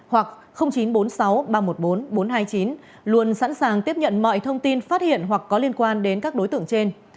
hoặc chín trăm bốn mươi sáu ba trăm một mươi bốn bốn trăm hai mươi chín luôn sẵn sàng tiếp nhận mọi thông tin phát hiện hoặc có liên quan đến các đối tượng trên